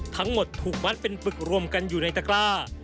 ทั้งหมดถูกมัดเป็นปึกรวมกันอยู่ในตะกร้า